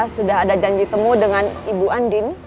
sudah ada janji temu dengan ibu andin